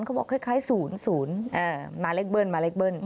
คล้ายสูญหมำเล็กเบิ้ล